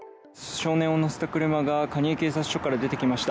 少年を乗せた車が蟹江警察署から出てきました。